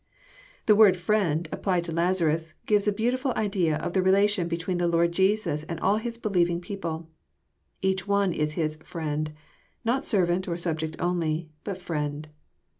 The word " friend," applied to Lazarus, gives a beautifhl idea of the relation between tlieLord Jesus and all His believing peo pie. Each one is His ftlend,"— not servant, or subject only, but *' friend."